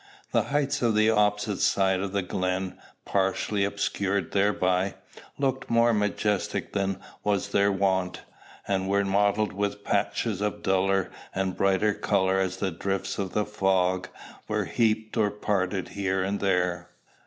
The heights on the opposite side of the glen, partially obscured thereby, looked more majestic than was their wont, and were mottled with patches of duller and brighter color as the drifts of the fog were heaped or parted here and there.